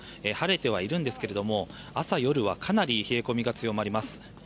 晴れてはいるんですが朝、夜はかなり冷え込みが強まります。